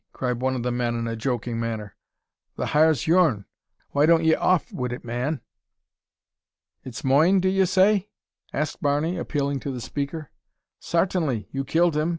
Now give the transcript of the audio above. cried one of the men in a joking manner, "the har's your'n. Why don't ye off wid it, man?" "It's moine, dev yez say?" asked Barney, appealing to the speaker. "Sartinly; you killed him.